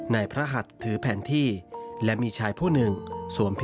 พระหัสถือแผนที่และมีชายผู้หนึ่งสวม